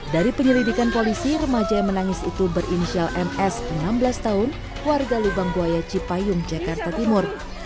dari penyelidikan polisi remaja yang menangis itu berinisial ms enam belas tahun warga lubang buaya cipayung jakarta timur